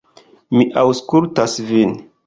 Mi aŭskultas vin.